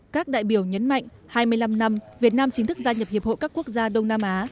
các đại biểu nhấn mạnh hai mươi năm năm việt nam chính thức gia nhập hiệp hội các quốc gia đông nam á